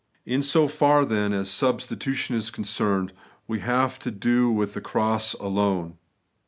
^ In so far, then, as substitution is concerned, we have to do with the cross alone.